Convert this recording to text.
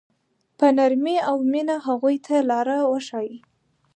په نرمۍ او مینه هغوی ته لاره وښایئ.